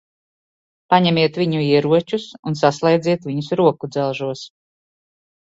Paņemiet viņu ieročus un saslēdziet viņus rokudzelžos.